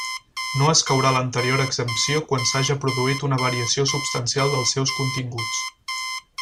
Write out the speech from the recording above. No escaurà l'anterior exempció quan s'haja produït una variació substancial dels seus continguts.